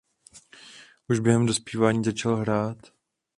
Už během dospívání začal hrát.